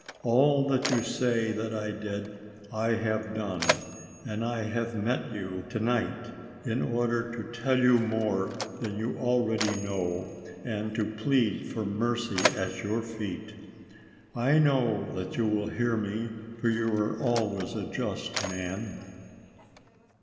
" All that you say that I did, I have done ; and I have met you, to night, i n order to tell you more than you already know, and to plead for mercy, at your feet. I know that you will hear me, for you were always a just man."